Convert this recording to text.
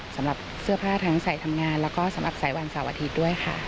สำหรับเสื้อผ้าทั้งใส่ทำงานแล้วก็สำหรับใส่วันเสาร์อาทิตย์ด้วยค่ะ